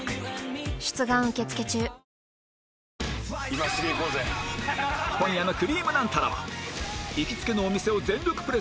今夜の『くりぃむナンタラ』は行きつけのお店を全力プレゼン